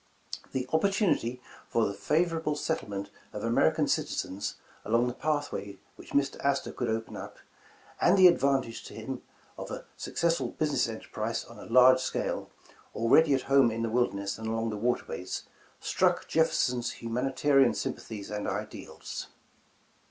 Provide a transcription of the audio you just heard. The opportunity for the favor able settlement of American citizens along the pathway which Mr. Astor would open up, and the advantage to 151 The Original John Jacob Astor them of a successful business senterprise on a large scale, already at home in the wilderness and along the water ways, struck Jefferson's humanitarian sympathies and ideals.